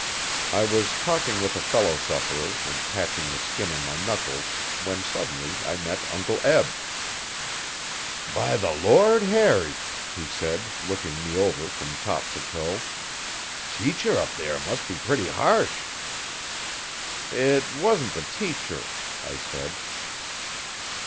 I was talking with a fellow sufferer and patching the skin on my knuckles, when suddenly I met Uncle Eb. 'By the Lord Harry!' he said, looking me over from top to toe, 'teacher up there mus' be purty ha'sh.' 'It wa'n't the teacher,' I said.